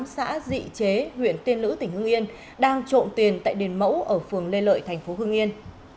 xã dị chế huyện tiên lữ tỉnh hương yên đang trộm tiền tại đền mẫu ở phường lê lợi thành phố hưng yên